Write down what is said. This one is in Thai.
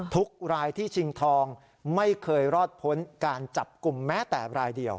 ทุกรายที่ชิงทองไม่เคยรอดพ้นการจับกลุ่มแม้แต่รายเดียว